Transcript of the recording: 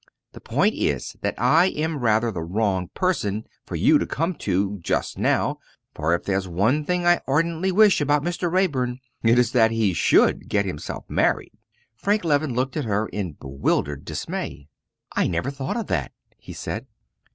The point is that I am rather the wrong person for you to come to just now, for if there is one thing I ardently wish about Mr. Raeburn, it is that he should get himself married." Frank Leven looked at her in bewildered dismay. "I never thought of that," he said.